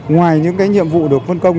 ngoài những cái nhiệm vụ được phân công